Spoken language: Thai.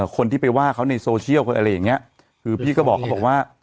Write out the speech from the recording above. คนที่ไปว่าเขาในโซเชียลอะไรอย่างเงี้ยคือพี่ก็บอกเขาบอกว่า